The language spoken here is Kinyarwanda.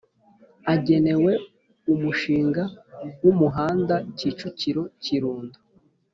agenewe umushinga w umuhanda Kicukiro Kirundo